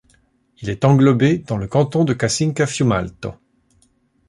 Il est englobé dans le canton de Casinca-Fiumalto.